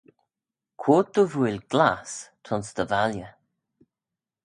Quoid dy vuill glass t'ayns dty valley?